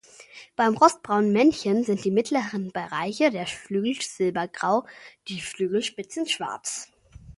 Beim rostbraunen Männchen sind die mittleren Bereiche der Flügel silbergrau, die Flügelspitzen schwarz.